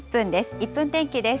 １分天気です。